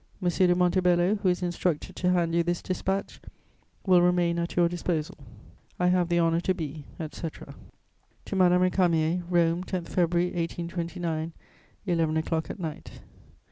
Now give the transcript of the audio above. de Montebello, who is instructed to hand you this dispatch, will remain at your disposal. "I have the honour to be, etc." TO MADAME RÉCAMIER "ROME, 10 February 1829, _eleven d clock at night.